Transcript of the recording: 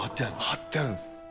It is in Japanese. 貼ってあるんです。